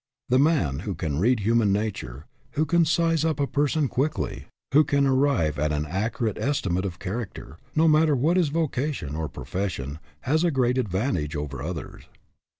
The man who can read human nature, who can " size up " a person quickly, who can 198 SIZING UP PEOPLE arrive at an accurate estimate of character, no matter what his vocation, or profession, has a great advantage over others.